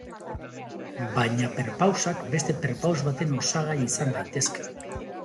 Baina perpausak beste perpaus baten osagai izan daitezke.